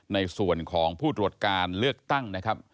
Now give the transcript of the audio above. ในส่วนของผู้ตรวจการเลือกตั้งนะครับ